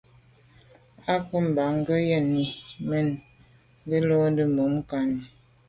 Á cúp mbə̄ mbā gə̀ yɑ́nə́ à' yɑ́nə́ mɛ̀n gə̀ rə̌ nə̀ lódə́ mû' kání.